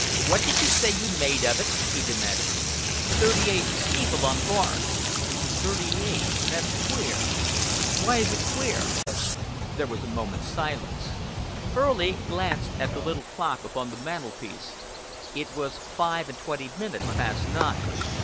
"What did you say you made of it?" he demanded. "'Thirty eight steeple on barn.'" "Thirty eight! That's queer!" "Why is it queer?" There was a moment's silence. Furley glanced at the little clock upon the mantelpiece. It was five and twenty minutes past nine.